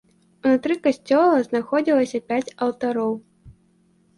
Унутры касцёла знаходзілася пяць алтароў.